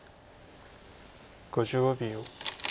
５５秒。